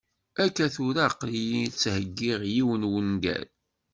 Akka tura, aql-iyi ttheggiɣ yiwen n wungal.